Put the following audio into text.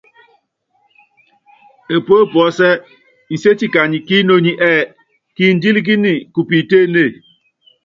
Epue puɔ́sɛ́ nséti kanyi kí inoní ɛ́ɛ́: Kindílíkíni ku piitéénée.